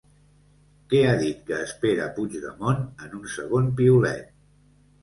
Què ha dit que espera Puigdemont en un segon piulet?